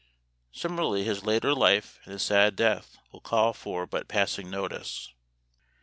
Similarly his later life and his sad death will call for but passing notice.